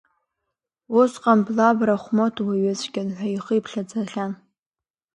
Усҟан Блаб Рамхәыҭ дуаҩыцәгьан ҳәа ихы иԥхьаӡахьан.